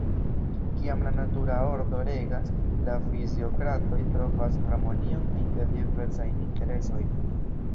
Kiam la natura ordo regas, la fiziokratoj trovas harmonion inter diversaj interesoj.